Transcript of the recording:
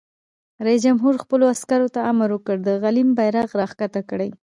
رئیس جمهور خپلو عسکرو ته امر وکړ؛ د غلیم بیرغ راکښته کړئ!